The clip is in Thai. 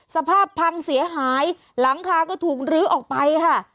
สภาพพังเสียหายหลังคาก็ถูกลื้อออกไปค่ะ